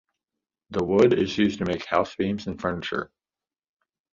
The wood is used to make house beams and furniture.